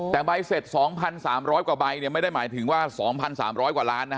แต่ใบเสร็จ๒๓๐๐กว่าใบไม่ได้หมายถึงว่า๒๓๐๐กว่าล้าน